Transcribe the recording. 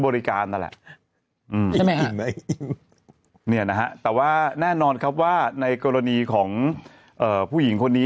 บริการนั่นแหละแต่ว่าแน่นอนครับว่าในกรณีของผู้หญิงคนนี้